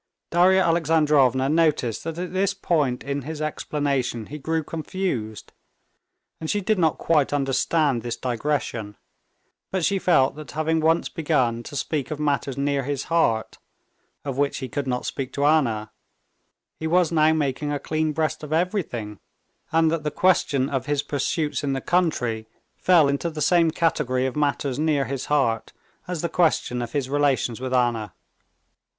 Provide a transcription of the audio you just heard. Darya Alexandrovna noticed that at this point in his explanation he grew confused, and she did not quite understand this digression, but she felt that having once begun to speak of matters near his heart, of which he could not speak to Anna, he was now making a clean breast of everything, and that the question of his pursuits in the country fell into the same category of matters near his heart, as the question of his relations with Anna.